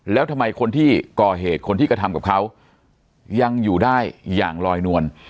แล้วทำไมคนที่ก่อเหตุคนที่กระทำกับเขายังอยู่ได้อย่างลอยนวล